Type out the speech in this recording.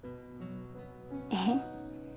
えっ？